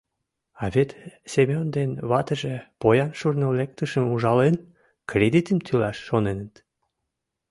А вет Семён ден ватыже, поян шурно лектышым ужален, кредитым тӱлаш шоненыт.